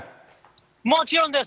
もちろんです。